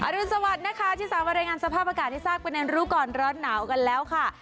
อรุณสวัสดิ์นะคะที่สามวันรายงานสภาพอากาศที่ซากเป็นอันรู้ก่อนร้อนหนาวกันแล้วค่ะ